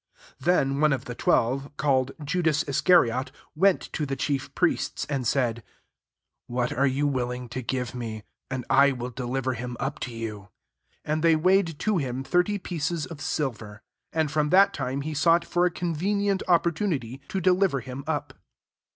14 Then one of the twelve, called Judas Iscariot, went to the chief 'priests, 15 and «M, " What are ye willing to give me, and I will deliver him up to you ?" And they weighed to him thirty pieces of silver. 16 And from that time he sought for a convenient opportunity to deliver him up.